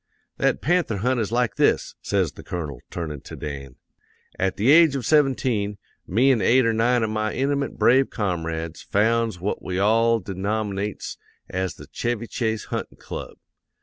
"'That panther hunt is like this,' says the Colonel, turnin' to Dan. 'At the age of seventeen, me an' eight or nine of my intimate brave comrades founds what we all denom'nates as the "Chevy Chase Huntin' Club."